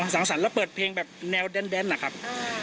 สังสรรค์แล้วเปิดเพลงแบบแนวแดนนะครับ